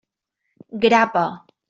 Grapa.